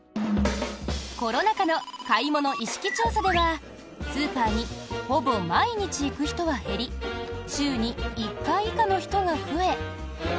コロナ禍の買い物意識調査ではスーパーにほぼ毎日行く人は減り週に１回以下の人が増え。